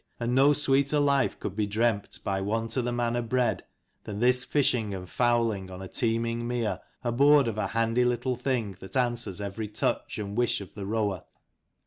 And no sweeter life could be dreamt by one to the manner bred than this fishing and fowling on a teeming mere, aboard of a handy little thing that answers every touch and wish of the rower.